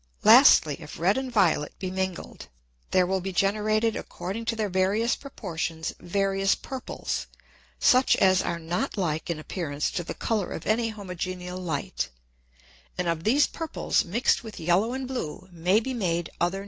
Lastly, If red and violet be mingled, there will be generated according to their various Proportions various Purples, such as are not like in appearance to the Colour of any homogeneal Light, and of these Purples mix'd with yellow and blue may be made other new Colours. PROP. V. THEOR.